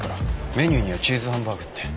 メニューにはチーズハンバーグって。